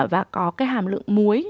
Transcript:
và có cái hàm lượng muối